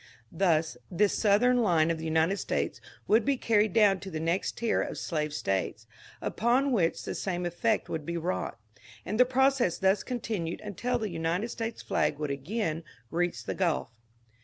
Thus the southern line of the United States would be carried down to the next tier of slave States, upon which the same effect would be wrought ; and the process thus continued until the United States flag would again reach the Gulf.